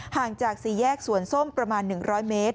ห่างจากสี่แยกสวนส้มประมาณ๑๐๐เมตร